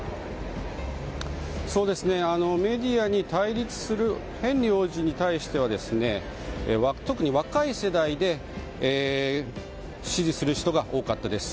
メディアに対立するヘンリー王子に対しては特に若い世代で支持する人が多かったです。